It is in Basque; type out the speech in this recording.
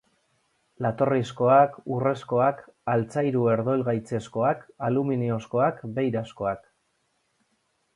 Latorrizkoak, urrezkoak, altzairu herdoilgaitzezkoak, aluminiozkoak, beirazkoak.